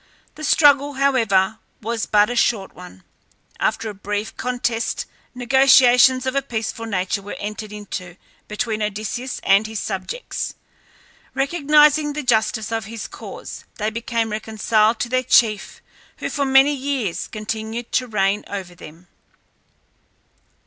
The struggle, however, was but a short one. After a brief contest negotiations of a peaceful nature were entered into between Odysseus and his subjects. Recognizing the justice of his cause, they became reconciled to their chief, who for many years continued to reign over them.